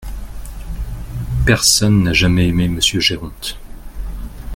Personne n’a jamais aimé monsieur Géronte.